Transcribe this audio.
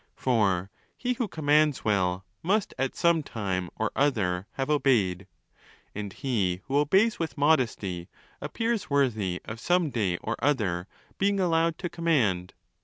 For he who commands well, must at some time or other have' obeyed ; and he who obeys with modesty appears worthy of some day or other being allowed to command.